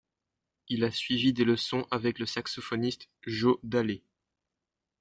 Il a suivi des leçons avec le saxophoniste joe Daley.